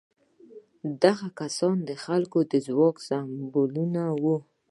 دغه کسان د خلکو د ځواک سمبولونه وو.